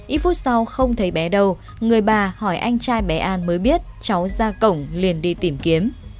ít phút sau không thấy bé đâu người bà hỏi anh trai bé an mới biết cháu ra cổng liền đi tìm kiếm